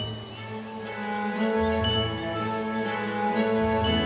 kami akan mencoba untuk mencoba